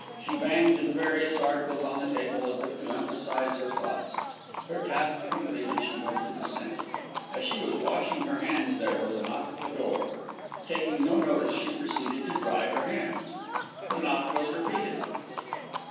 She banged the various articles on the table as if to emphasise her thoughts. Her task completed, she went to the sink. As she was washing her hands there was a knock at the kitchen door. Taking no notice she proceeded to dry her hands. The knock was repeated.